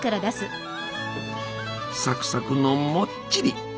サクサクのもっちり！